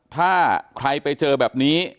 ถ้าใครไปเจอแบบนี้